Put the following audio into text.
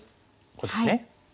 こうですね。